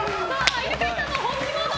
犬飼さんも本気モード。